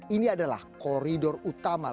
ini adalah koridor utama